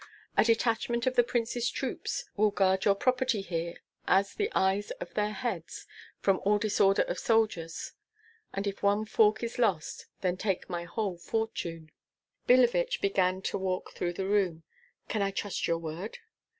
A detachment of the prince's troops will guard your property here, as the eyes in their heads, from all disorder of soldiers; and if one fork is lost, then take my whole fortune." Billevich began to walk through the room. "Can I trust your word?"